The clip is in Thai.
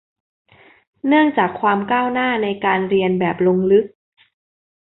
เนื่องจากความก้าวหน้าในการเรียนแบบลงลึก